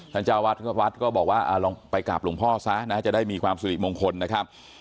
ท่านเจ้าวาสก็บอกว่าไปกราบหลวงพ่อซะจะได้มีความสุริมงคลนะครับ